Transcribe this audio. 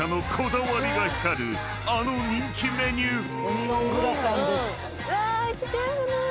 ［あの人気メニュー］